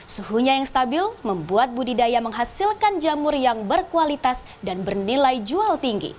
suhunya yang stabil membuat budidaya menghasilkan jamur yang berkualitas dan bernilai jual tinggi